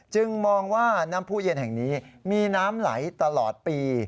มองว่าน้ำผู้เย็นแห่งนี้มีน้ำไหลตลอดปี